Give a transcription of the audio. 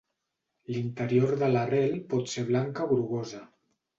L'interior de l'arrel pot ser blanca o grogosa.